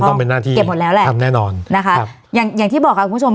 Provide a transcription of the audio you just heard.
อันนั้นต้องเป็นหน้าที่ทำแน่นอนนะคะอย่างอย่างที่บอกครับคุณผู้ชม